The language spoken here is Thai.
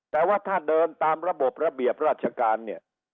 แต่ว่าถ้าเดินตามระบบระเบียบราชการเนี่ย